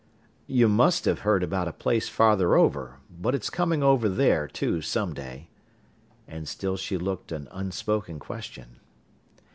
"You must have heard about a place farther over but it's coming over there, too, some day." And still she looked an unspoken question.